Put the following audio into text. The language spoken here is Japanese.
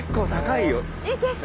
いい景色！